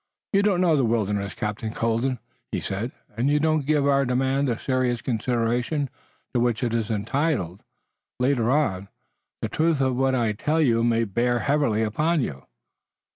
"You don't know the wilderness, Captain Colden," he said, "and you don't give our demand the serious consideration to which it is entitled. Later on, the truth of what I tell you may bear heavily upon you."